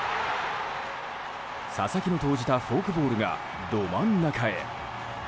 佐々木の投じたフォークボールが、ど真ん中へ。